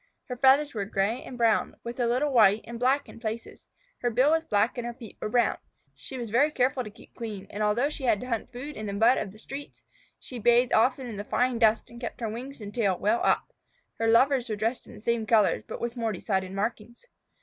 Her feathers were gray and brown, with a little white and black in places. Her bill was black, and her feet were brown. She was very careful to keep clean, and although she had to hunt food in the mud of the street, she bathed often in fine dust and kept her wings and tail well up. Her lovers were dressed in the same colors, but with more decided markings.